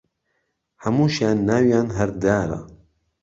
هەمووشیان ناویان هەر دارە